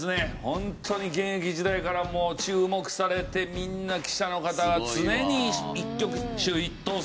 ホントに現役時代からもう注目されてみんな記者の方が常に一挙手一投足。